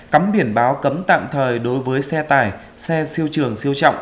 cắm biển báo cấm tạm thời đối với xe tải xe siêu trường siêu trọng